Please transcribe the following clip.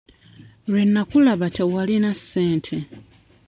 Lwe nnakulaba tewalina ssente.